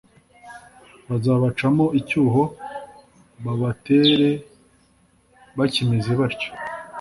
bazabacamo icyuho babatere bakimeze batyo